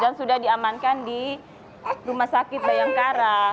dan sudah diamankan di rumah sakit bayangkara